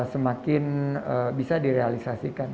semakin bisa direalisasikan